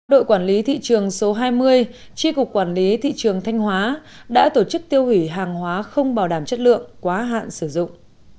đội quản lý thị trường số hai mươi tri cục quản lý thị trường thanh hóa đã tổ chức tiêu hủy hàng hóa không bảo đảm chất lượng quá hạn sử dụng